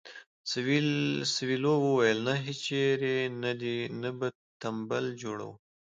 سویلو وویل نه هیچېرې نه دې نه به تمبل جوړوو.